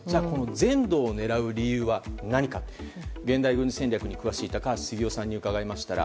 全土を狙う理由は現代軍事戦略に詳しい高橋杉雄さんに伺いました。